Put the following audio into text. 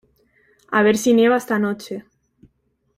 A ver si nieva esta noche.